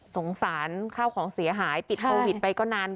สงสารข้าวของเสียหายปิดโควิดไปก็นาน